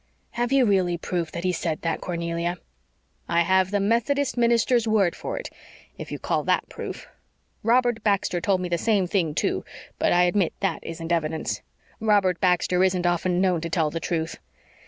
"Have you really proof that he said that, Cornelia?" "I have the Methodist minister's word for it if you call THAT proof. Robert Baxter told me the same thing too, but I admit THAT isn't evidence. Robert Baxter isn't often known to tell the truth."